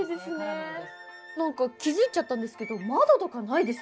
なんか気付いちゃったんですけど窓とかないですよね？